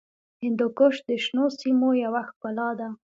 هندوکش د شنو سیمو یوه ښکلا ده.